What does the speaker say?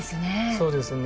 そうですね。